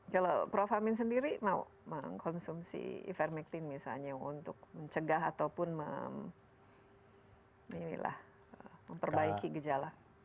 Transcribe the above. kalau prof amin sendiri mau mengkonsumsi ivermectin misalnya untuk mencegah ataupun memperbaiki gejala